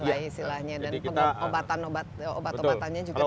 dan obat obatannya juga tersedia